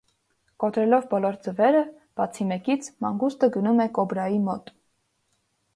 Կոտրելով բոլոր ձվերը, բացի մեկից, մանգուստը գնում է կոբրայի մոտ։